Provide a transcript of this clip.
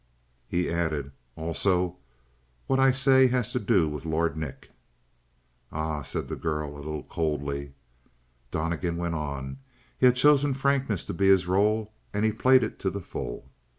He added: "Also, what I say has to do with Lord Nick." "Ah," said the girl a little coldly. Donnegan went on. He had chosen frankness to be his role and he played it to the full.